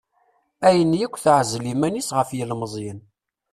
Ayen akk teɛzel iman-is ɣef yilmeẓyen.